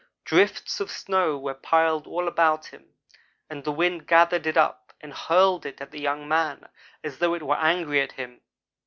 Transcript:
Drifts of snow were piled all about, and the wind gathered it up and hurled it at the young man as though it were angry at him.